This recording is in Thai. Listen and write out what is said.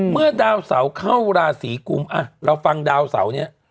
เมื่อดาวเสาเข้าราศีกุมเราฟังดาวเสาเนี่ย